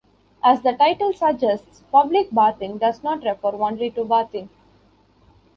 As the title suggests, public bathing does not refer only to bathing.